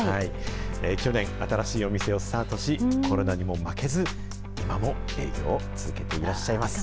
去年、新しいお店をスタートし、コロナにも負けず、今も営業を続頑張ってください。